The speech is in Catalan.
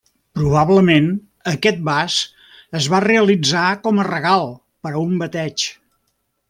Probablement aquest vas es va realitzar com a regal per a un bateig.